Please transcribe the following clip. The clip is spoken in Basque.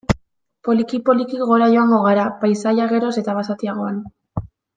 Poliki-poliki gora joango gara, paisaia geroz eta basatiagoan.